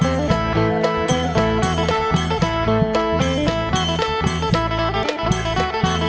ในปริศนายะและก่องานจากแยงหาสนุก